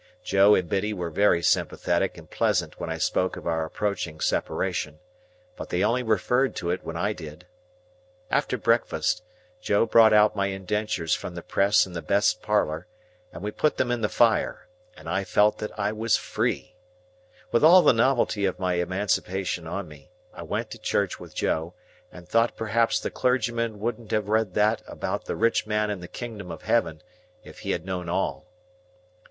Joe and Biddy were very sympathetic and pleasant when I spoke of our approaching separation; but they only referred to it when I did. After breakfast, Joe brought out my indentures from the press in the best parlour, and we put them in the fire, and I felt that I was free. With all the novelty of my emancipation on me, I went to church with Joe, and thought perhaps the clergyman wouldn't have read that about the rich man and the kingdom of Heaven, if he had known all.